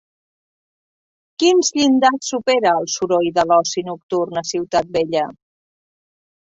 Quins llindars supera el soroll de l'oci nocturn a Ciutat Vella?